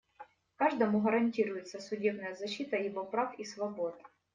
Каждому гарантируется судебная защита его прав и свобод.